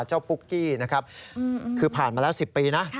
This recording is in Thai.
ปุ๊กกี้นะครับคือผ่านมาแล้ว๑๐ปีนะ